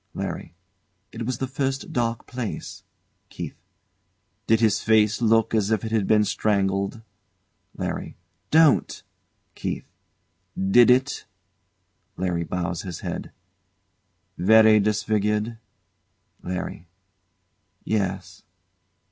LARRY. It was the first dark place. KEITH. Did his face look as if he'd been strangled? LARRY. Don't! KEITH. Did it? [LARRY bows his head.] Very disfigured? LARRY. Yes.